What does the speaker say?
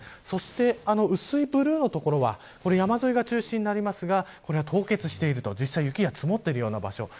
そして薄いブルーの所は山沿いが中心ですがこれは実際に凍結して雪が積もっているような場所。